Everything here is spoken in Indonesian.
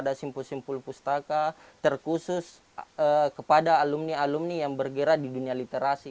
kumpul pustaka terkhusus kepada alumni alumni yang bergerak di dunia literasi